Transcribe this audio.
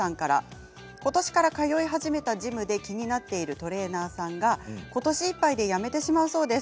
ことしから通い始めたジムで気になっているトレーナーさんがことしいっぱいで辞めてしまうそうです。